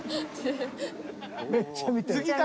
めっちゃ見てる。